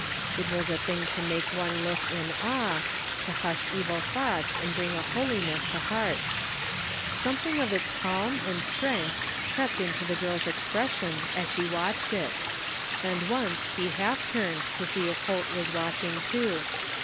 It was a thing to make one look in awe, to hush evil thoughts and bring a holiness to hearts. Something of its calm and strength crept into the girl's expression as she watched it, and once she half turned to see if Holt was watching 16 THE FINDING OF JASPER HOLT too.